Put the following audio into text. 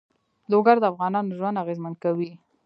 لوگر د افغانانو ژوند اغېزمن کوي.